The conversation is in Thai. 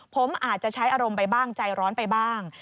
ผมอาจจะใช้อารมณ์ไปบ้างใจร้อนไปบ้าง